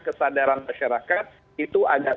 kesadaran masyarakat itu agak